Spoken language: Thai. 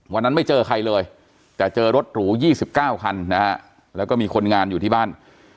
ไม่เจอใครเลยแต่เจอรถหรู๒๙คันนะฮะแล้วก็มีคนงานอยู่ที่บ้าน